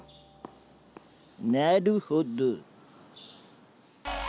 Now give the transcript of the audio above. なるほど。